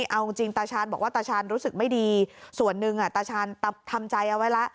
เอาจริงตาชาญบอกว่าตาชาญรู้สึกไม่ดีส่วนหนึ่งตาชาญทำใจเอาไว้แล้ว